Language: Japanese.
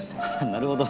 なるほど。